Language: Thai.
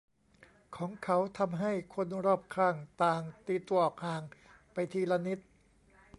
ของเขาทำให้คนรอบข้างต่างตีตัวออกห่างไปทีละนิด